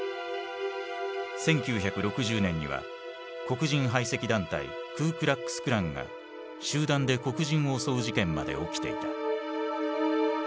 １９６０年には黒人排斥団体クー・クラックス・クランが集団で黒人を襲う事件まで起きていた。